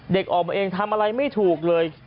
เด็กออกมาเองทำอะไรไม่ถูกเลย